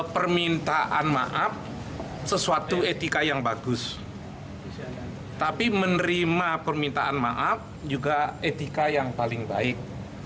permintaan maaf sesuatu etika yang bagus tapi menerima permintaan maaf juga etika yang paling baik